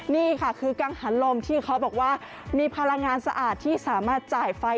นี่ค่ะคือกังหันลมที่เขาบอกว่ามีพลังงานสะอาดที่สามารถจ่ายไฟ